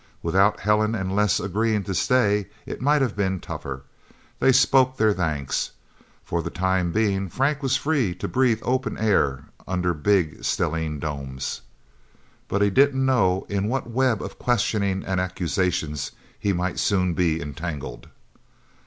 Without Helen and Les agreeing to stay, it might have been tougher. They spoke their thanks. For the time being, Frank was free to breathe open air under big, stellene domes. But he didn't know in what web of questioning and accusation he might soon be entangled.